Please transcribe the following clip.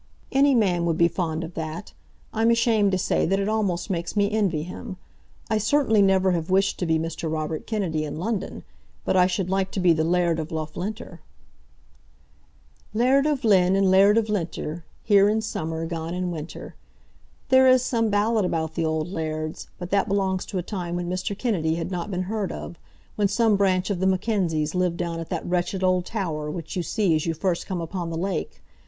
"Any man would be fond of that. I'm ashamed to say that it almost makes me envy him. I certainly never have wished to be Mr. Robert Kennedy in London, but I should like to be the Laird of Loughlinter." "'Laird of Linn and Laird of Linter, Here in summer, gone in winter.' There is some ballad about the old lairds; but that belongs to a time when Mr. Kennedy had not been heard of, when some branch of the Mackenzies lived down at that wretched old tower which you see as you first come upon the lake.